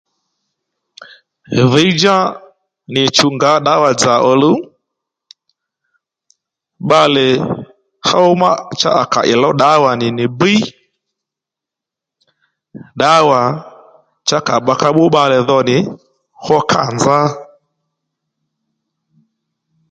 Dhǐdjá nì ì chǔw ngǎ ddǎwà dza òluw bbalè hó ma cha ì kà ì lǒw ddǎwà nì nì bbíy ddǎwà cha à kà ka bbú bbalè dho nì hó kâ nzá